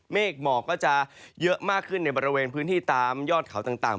หมอกก็จะเยอะมากขึ้นในบริเวณพื้นที่ตามยอดเขาต่าง